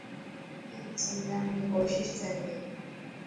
اي نا سمجھاڻ ري ڪوشش ٿي پئي.